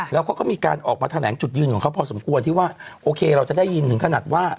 แล้วเขาก็มีการออกมาแถลงจุดยืนของเขาพอสมควรที่ว่าโอเคเราจะได้ยินถึงขนาดว่า